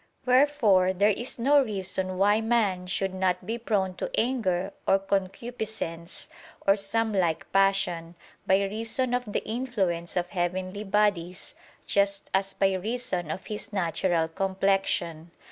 Wherefore there is no reason why man should not be prone to anger or concupiscence, or some like passion, by reason of the influence of heavenly bodies, just as by reason of his natural complexion.